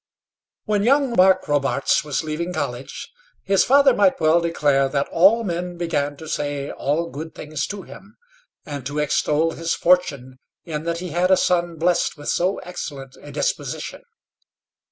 When young Mark Robarts was leaving college, his father might well declare that all men began to say all good things to him, and to extol his fortune in that he had a son blessed with so excellent a disposition.